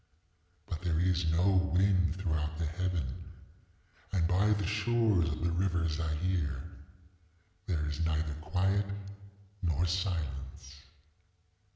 But there is no wind throughout the heaven. And by the shores of the river Zaire there is neither quiet nor silence.